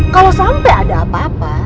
kalau sampai ada apa apa